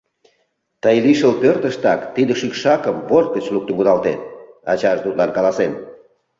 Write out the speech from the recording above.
— Тый лишыл пӧртыштак тиде шӱкшакым борт гыч луктын кудалтет, — ачаже тудлан каласен.